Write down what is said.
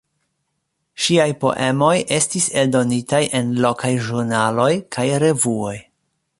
Ŝiaj poemoj estis eldonitaj en lokaj ĵurnaloj kaj revuoj.